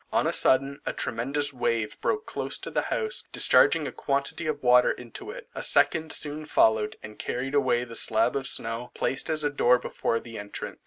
On a sudden, a tremendous wave broke close to the house, discharging a quantity of water into it; a second soon followed, and carried away the slab of snow placed as a door before the entrance.